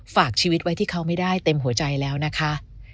ฝากชีวิตไว้ที่เขาไม่ได้เต็มหัวใจแล้วนะคะ